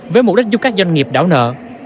với mục đích giúp các doanh nghiệp đảo nợ